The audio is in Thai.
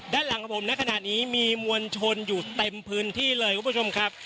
ด้านหลังของผมในขณะนี้มีมวลชนอยู่เต็มพื้นที่เลยคุณผู้ชมครับ